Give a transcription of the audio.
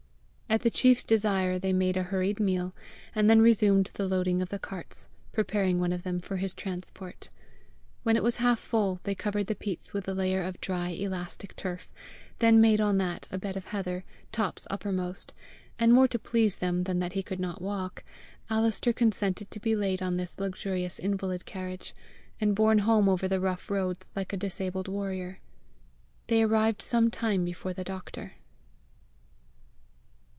At the chief's desire, they made a hurried meal, and then resumed the loading of the carts, preparing one of them for his transport. When it was half full, they covered the peats with a layer of dry elastic turf, then made on that a bed of heather, tops uppermost; and more to please them than that he could not walk, Alister consented to be laid on this luxurious invalid carriage, and borne home over the rough roads like a disabled warrior. They arrived some time before the doctor.